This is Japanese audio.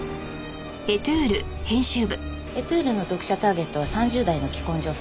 『エトゥール』の読者ターゲットは３０代の既婚女性。